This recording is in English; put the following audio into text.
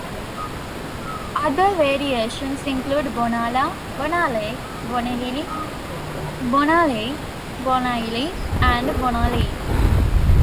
Other variations include "Bonala", "Bonalay", "Boneyley", "Bonnalay", "Bonailie" and "Bonaley".